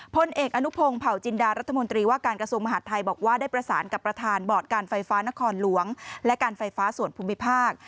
พลเอกอนุพงศ์เผาจินดารัฐมนตรีว่าการกระทรวงมหาดไทยบอกว่าได้ประสานกับประธานบอร์ดการไฟฟ้านครหลวงและการไฟฟ้าส่วนภูมิภาค